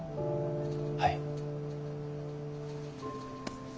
はい。